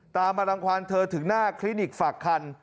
ตามมารังความเธอถึงหน้าคลินิกฝากคัน